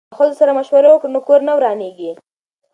که ښځو سره مشوره وکړو نو کور نه ورانیږي.